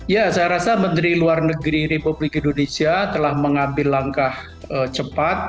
ya saya rasa menteri luar negeri republik indonesia telah mengambil langkah cepat